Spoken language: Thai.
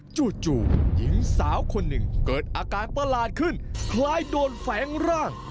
จู่หญิงสาวคนหนึ่งเกิดอาการประหลาดขึ้นคล้ายโดนแฝงร่าง